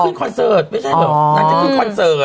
นางจะขึ้นคอนเสิร์ต